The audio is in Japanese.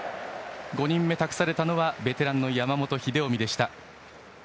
５人目、託されたのがベテランの山本英臣でした。